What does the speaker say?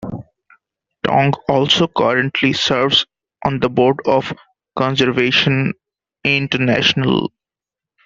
Tong also currently serves on the Board of Conservation International.